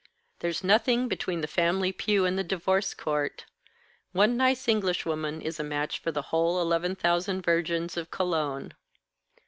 There's nothing between the family pew and the divorce court. One nice Englishwoman is a match for the whole Eleven Thousand Virgins of Cologne."